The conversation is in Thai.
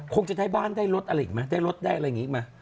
คงจะได้บ้านได้รถอะไรอีกมาได้รถได้อะไรอีกมา